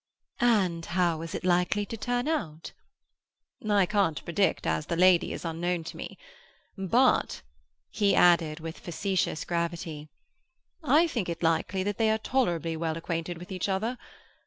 "And how is it likely to turn out?" "I can't predict, as the lady is unknown to me. But," he added with facetious gravity, "I think it likely that they are tolerably well acquainted with each other.